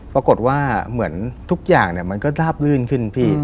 ปรากฏว่าเหมือนทุกอย่างมันก็ดาบลื่นขึ้น